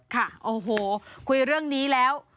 ค่ะโอ้โหคุยเรื่องนี้แล้ว